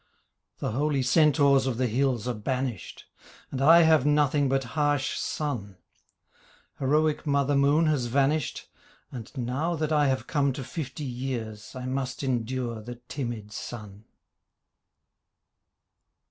The holy centaurs of the hills are banished; And I have nothing but harsh sun; Heroic mother moon has vanished, And now that I have come to fifty years I must endure the timid sun.